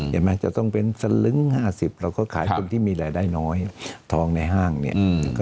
จะต้องเป็นสลึง๕๐เราก็ขายคนที่มีรายได้น้อยทองในห้างเนี่ย